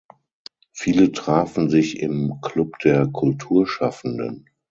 Viele trafen sich im „Klub der Kulturschaffenden“.